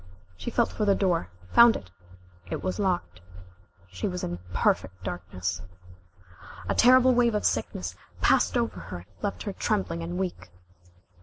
She felt for the door, found it it was locked. She was in perfect darkness. A terrible wave of sickness passed over her and left her trembling and weak.